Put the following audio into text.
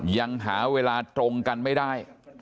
ยังหาเวลาตรงกันไม่ได้